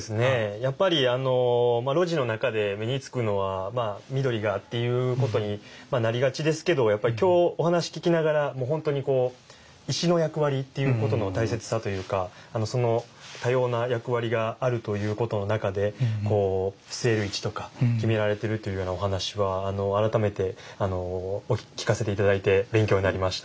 やっぱりあの露地の中で目につくのはまあ緑がっていうことになりがちですけどやっぱり今日お話聴きながらもう本当にこう石の役割っていうことの大切さというかその多様な役割があるということの中で据える位置とか決められているというようなお話は改めてお聴かせ頂いて勉強になりました。